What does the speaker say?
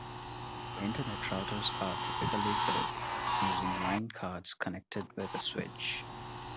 Internet routers are typically built using line cards connected with a switch.